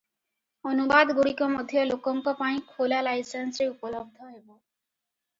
ଅନୁବାଦଗୁଡ଼ିକ ମଧ୍ୟ ଲୋକଙ୍କ ପାଇଁ ଖୋଲା ଲାଇସେନ୍ସରେ ଉପଲବ୍ଧ ହେବ ।